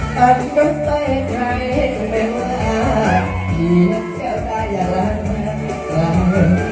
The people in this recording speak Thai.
ตามต้นใจใครเห็นแม้เมื่อที่จะเจ้าตายอย่าล้างเมื่อเมื่อ